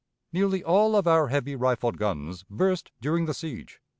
Nearly all of our heavy rifled guns burst during the siege.